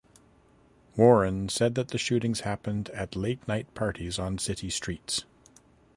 Warren said that the shootings happened at late night parties on city streets.